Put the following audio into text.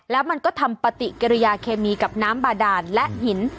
แล้วมันก็ทำปฏิกิริยาเคมีกับน้ำบาดานและหิน